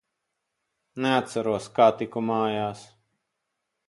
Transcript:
Neatceros, kā tiku mājās.